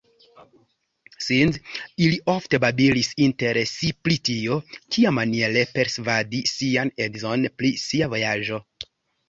Ili ofte babilis inter si pri tio, kiamaniere persvadi sian edzon pri sia vojaĝo.